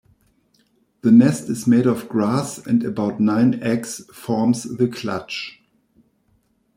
The nest is made of grass and about nine eggs forms the clutch.